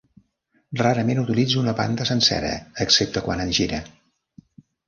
Rarament utilitza una banda sencera, excepte quan en gira.